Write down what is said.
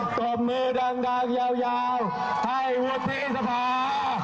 ปรบมือดังยาวให้วุฒิสภา